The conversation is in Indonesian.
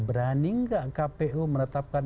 berani enggak kpu menetapkan